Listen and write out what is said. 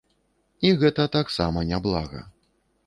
І гэта таксама няблага.